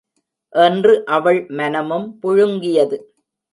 என்று அவள் மனமும் புழுங்கியது.